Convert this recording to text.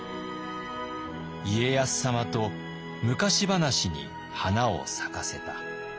「家康様と昔話に花を咲かせた」。